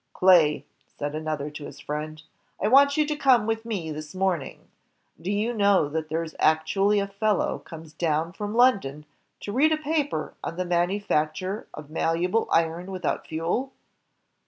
"Clay," said another to his friend, "I want you to come with me ... this morning. Do you know that there is actually a fellow come down from London to read a paper on the manufacture of malleable iron without fuel?"